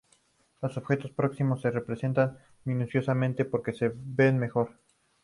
Los objetos próximos se representan minuciosamente porque se ven mejor.